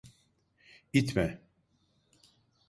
İtme!